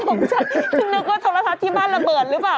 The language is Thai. คุณนึกว่าธรรมชาติที่บ้านระเบิดหรือเปล่า